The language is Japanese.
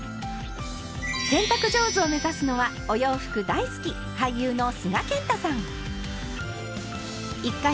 洗濯上手を目指すのはお洋服大好き俳優の須賀健太さん。